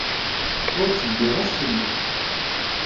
Ur ttebbiɣ acemma.